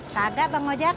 kagak bang ojak